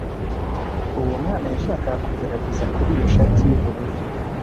Uwo mwana yashakaga kugerageza kuri iyo shati yubururu